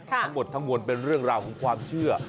ทั้งหมดทั้งมวลเป็นเรื่องราวของความเชื่อ